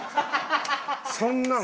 そんなん。